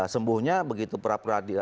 sembuhnya begitu perap perap